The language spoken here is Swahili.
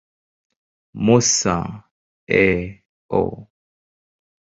Musa, A. O.